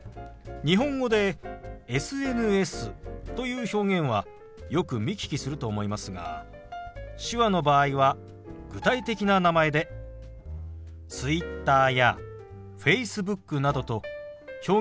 日本語でＳＮＳという表現はよく見聞きすると思いますが手話の場合は具体的な名前でＴｗｉｔｔｅｒやＦａｃｅｂｏｏｋなどと表現することが多いんですよ。